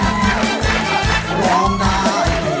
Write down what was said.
เพลงที่เจ็ดเพลงที่แปดแล้วมันจะบีบหัวใจมากกว่านี้